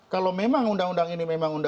kalau memang undang undang ini memang